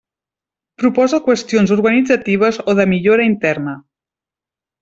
Proposa qüestions organitzatives o de millora interna.